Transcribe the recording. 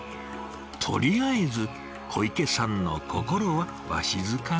とりあえず小池さんの心はわしづかみです。